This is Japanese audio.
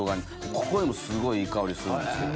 ここでもすごいいい香りするんですけど。